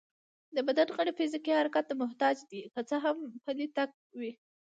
د بدن غړي فزيکي حرکت ته محتاج دي، که څه هم پلی تګ وي